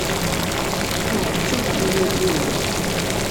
Tuɣ tettafeḍ yir tirga.